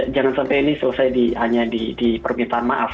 jangan sampai ini selesai hanya di permintaan maaf